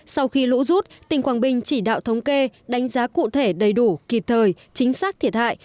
sau khi lũ rút tỉnh quảng bình chỉ đạo thống kê đánh giá cụ thể đầy đủ kịp thời chính xác thiệt hại